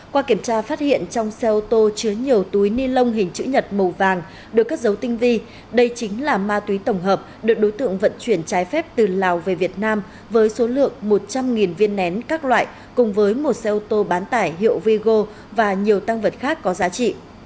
qua kiểm tra phát hiện trong xe ô tô chứa nhiều túi ni lông hình chữ nhật màu vàng được cất dấu tinh vi đây chính là ma túy tổng hợp được đối tượng vận chuyển trái phép từ lào về việt nam với số lượng một trăm linh viên nén các loại cùng với một xe ô tô bán tải hiệu vigo và nhiều tăng vật khác có giá trị